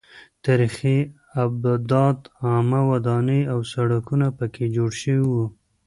تاریخي ابدات عامه ودانۍ او سړکونه پکې جوړ شوي وو.